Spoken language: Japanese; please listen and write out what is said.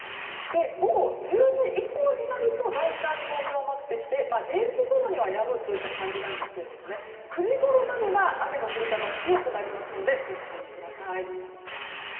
午後１０時以降になるとだんだん弱まってきて０時ごろにはやむ感じなんですけど９時ごろまでは雨の降り方が強くなりますのでご注意ください。